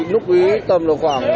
lúc ý tầm khoảng bảy h